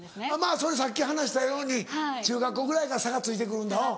それさっき話したように中学校ぐらいから差がついて来るんだ。